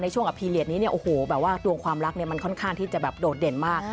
ช่วงอพีเรียสนี้เนี่ยโอ้โหแบบว่าดวงความรักเนี่ยมันค่อนข้างที่จะแบบโดดเด่นมาก